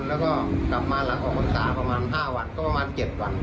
แล้วก็กลับมาหลังออกพรรษาประมาณ๕วันก็ประมาณ๗วัน